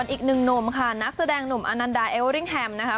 อีกหนึ่งหนุ่มค่ะนักแสดงหนุ่มอนันดาเอเวอริ่งแฮมนะคะ